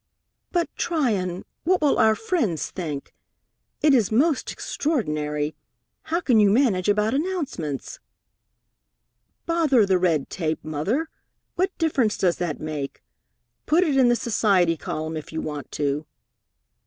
"But, Tryon, what will our friends think? It is most extraordinary! How can you manage about announcements?" "Bother the red tape, Mother! What difference does that make? Put it in the society column if you want to."